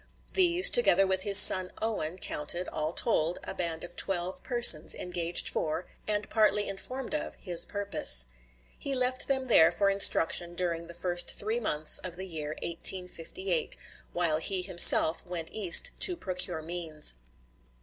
These, together with his son Owen, counted, all told, a band of twelve persons engaged for, and partly informed of, his purpose. He left them there for instruction during the first three months of the year 1858, while he himself went East to procure means.